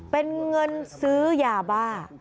เป็นเงินซื้อยาบ้า